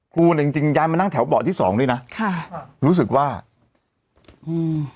ครูเนี้ยจริงจริงย้ายมานั่งแถวเบาะที่สองด้วยนะค่ะรู้สึกว่าอืม